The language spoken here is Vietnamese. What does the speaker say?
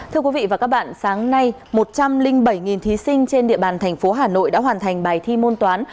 thưa quý vị và các bạn sáng nay một trăm linh bảy thí sinh trên địa bàn thành phố hà nội đã hoàn thành bài thi môn toán